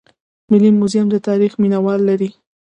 ملي موزیم د تاریخ مینه وال لري